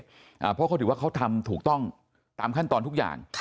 เพราะเขาถือว่าเขาทำถูกต้องตามขั้นตอนทุกอย่าง